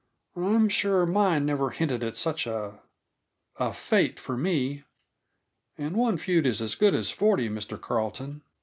"I'm sure mine never hinted at such a a fate for me. And one feud is as good as forty, Mr. Carleton.